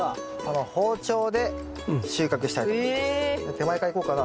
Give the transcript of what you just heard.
手前からいこうかな。